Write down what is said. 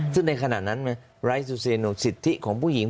ซึ่งในขณะนั้นไร้ซูเซโนสิทธิของผู้หญิง